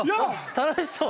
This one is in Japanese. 楽しそう！